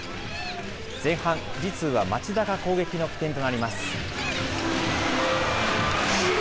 前半、富士通は町田が攻撃の起点となります。